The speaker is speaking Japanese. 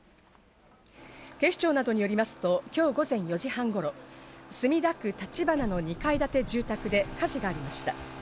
警視庁などによりますと今日午前４時半頃、墨田区立花の２階建て住宅で火事がありました。